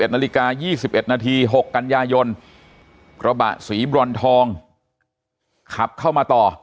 ๑นาฬิกา๒๑นาที๖กันยายนกระบะสีบรอนทองขับเข้ามาต่อ